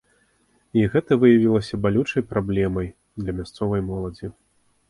І гэта выявілася балючай праблемай для мясцовай моладзі.